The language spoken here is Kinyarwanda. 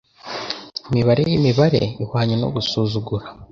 Imibare yimibare ihwanye no gusuzugura